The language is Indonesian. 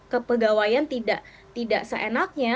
kepegawaian tidak seenaknya